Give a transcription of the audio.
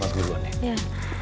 mas duluan ya